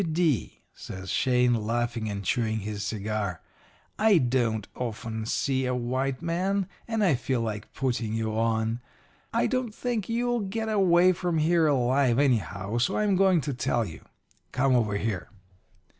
"'W. D.,' says Shane, laughing and chewing his cigar, 'I don't often see a white man, and I feel like putting you on. I don't think you'll get away from here alive, anyhow, so I'm going to tell you. Come over here.'